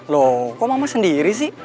loh kok mama sendiri sih